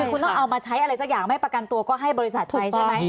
คุณต้องเอามาใช้อะไรสักอย่างไม่ประกันตัวก็ให้บริษัทไปใช่ไหม